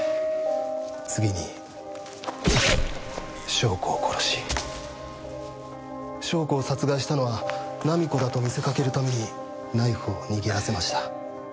翔子を殺し翔子を殺害したのは菜実子だと見せかけるためにナイフを握らせました。